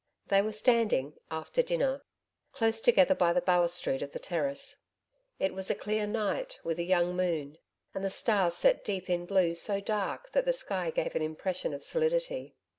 They were standing, after dinner, close together by the balustrade of the terrace. It was a clear night, with a young moon, and the stars set deep in blue so dark that the sky gave an impression of solidity.